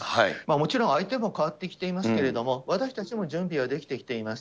もちろん相手も変わってきていますけれども、私たちも準備はできてきています。